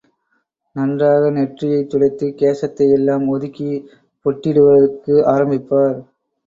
நன்றாக நெற்றியைத் துடைத்து கேசத்தை எல்லாம் ஒதுக்கி பொட்டிடுவதற்கு ஆரம்பிப்பார்.